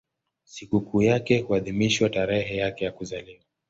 Sikukuu yake huadhimishwa tarehe yake ya kuzaliwa.